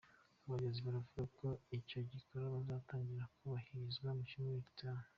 Abayobozi baravuga ko icyo gikorwa kizatangira kubahirizwa mu cyumweru gitaha.